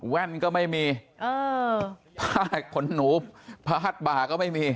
แว่นก็ไม่มีผ้าขนหนูผ้าบ่าก็ไม่มี